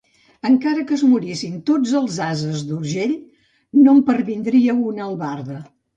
Encara que es morissin tots els ases d'Urgell, no em pervindria una albarda.